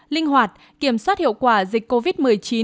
linh hoạt kiểm soát hiệu quả dịch covid một mươi chín